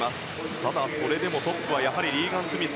それでもトップはやはりリーガン・スミス。